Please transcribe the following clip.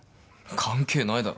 関係ないだろ。